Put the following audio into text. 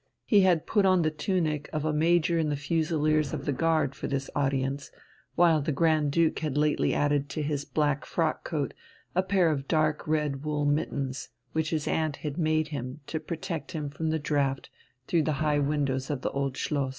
He had put on the tunic of a major in the Fusiliers of the Guard for this audience, while the Grand Duke had lately added to his black frock coat a pair of dark red wool mittens, which his aunt had made him to protect him from the draught through the high windows of the Old Schloss.